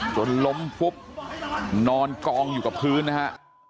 จนล้มฟุบนอนกองอยู่กับพื้นนะฮะ